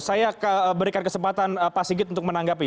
saya berikan kesempatan pak sigit untuk menanggapi